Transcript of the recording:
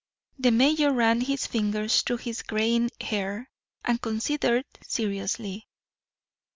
The mayor ran his fingers through his graying hair, and considered seriously.